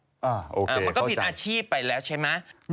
โอเคเข้าใจมันก็ผิดอาชีพไปแล้วใช่ไหม